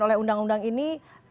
oleh undang undang ini